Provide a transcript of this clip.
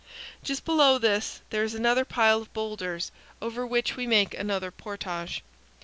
Just below this there is another pile of boulders, over which we make another portage.